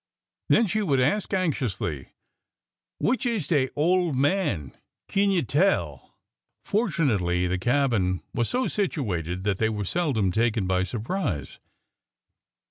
Then she would ask anxiously : Which is dey, ole man ? Kin you tell ?" Fortunately, the cabin was so situated that they were seldom taken by surprise.